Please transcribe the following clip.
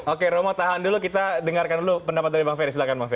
oke romo tahan dulu kita dengarkan dulu pendapat dari bang ferry silahkan bang fer